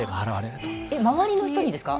えっ周りの人にですか？